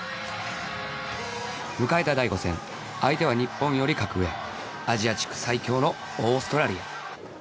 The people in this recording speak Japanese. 迎えた第５戦相手は日本より格上アジア地区最強のオーストラリア